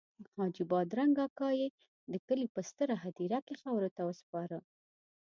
حاجي بادرنګ اکا یې د کلي په ستره هدیره کې خاورو ته وسپاره.